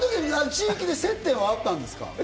地域で接点はあったんですか？